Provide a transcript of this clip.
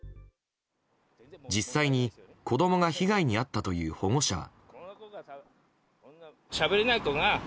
実際に子供が被害に遭ったという保護者は。